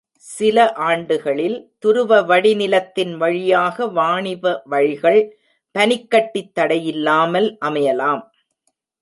சில ஆண்டுகளில் துருவ வடிநிலத்தின் வழியாக வாணிப வழிகள், பனிக் கட்டித் தடையில்லாமல் அமையலாம்.